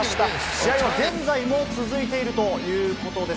試合は現在も続いているということです。